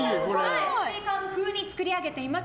某ＩＣカード風に作り上げています。